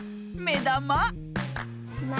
めだま。